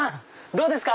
どうですか？